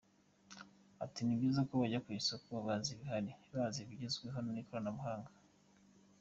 Ati “Ni byiza ko bajya ku isoko bazi ibihari, bazi ibigezweho mu ikoranabuhanga.